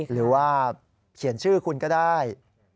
หรือว่าเขียนชื่อคุณก็ได้